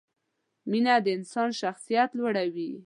مینه د انسان شخصیت لوړوي.